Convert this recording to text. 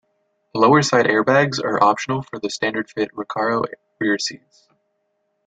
Lower side airbags are optional for the standard-fit Recaro rear seats.